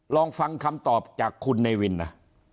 ลองฟังคำตอบจากคุณเนวินนะ